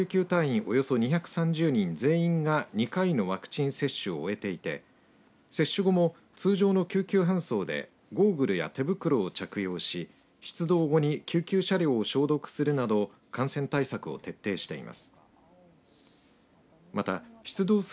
およそ２３０人全員が２回のワクチン接種を終えていて接種後も、通常の救急搬送でゴーグルや手袋を着用し出動後に救急車両を消毒するなど感染対策を徹底しています。